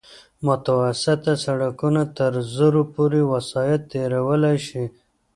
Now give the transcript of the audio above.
متوسط سرکونه تر زرو پورې وسایط تېرولی شي